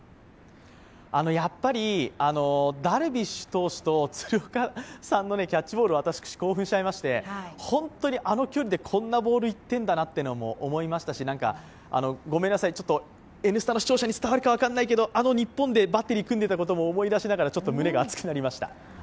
やっぱり、ダルビッシュ投手と鶴岡さんのキャッチボール、私、興奮しちゃいまして、本当にあの距離でこんなボールいってんだなと思いましたしごめんなさい、ちょっと「Ｎスタ」の視聴者に伝わるかわからないですがあの日本でバッテリーを組んでいたことも思い出しながら、ちょっと胸が熱くなりました。